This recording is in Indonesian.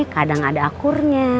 kadang ada akurnya